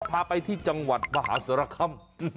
พาไปที่จังหวัดมหาสารคำ